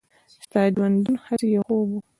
«ستا ژوندون هسې یو خوب و.»